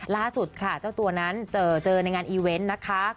ล่าสุดค่ะเจ้าตัวนั้นเจอในงานอีเวนต์นะคะ